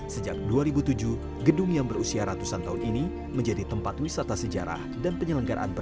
sejak dua ribu tujuh gedung yang berusia ratusan tahun ini menjadi tempat wisata sejarah dan penyelenggaraan